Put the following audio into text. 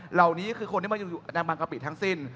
เหล่านี้คือคนที่มาอยู่ในบางกะปิทั้งสิ้น